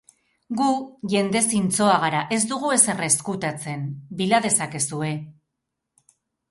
Gu jende zintzoa gara, ez dugu ezer ezkutatzen, bila dezakezue.